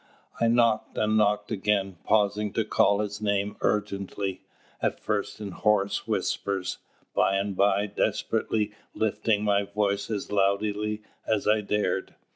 I knocked and knocked again, pausing to call his name urgently, at first in hoarse whispers, by and by desperately, lifting my voice as loudly as I dared.